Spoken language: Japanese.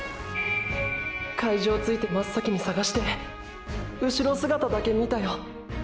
会場ついて真っ先に捜してうしろ姿だけ見たよ